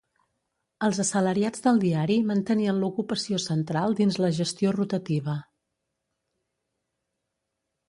Els assalariats del diari mantenien l'ocupació central dins la gestió rotativa.